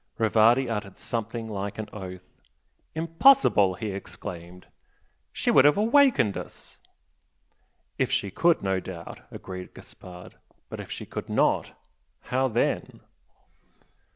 Rivardi uttered something like an oath. "Impossible!" he exclaimed "She would have awakened us!" "If she could, no doubt!" agreed Gaspard "But if she could not, how then?"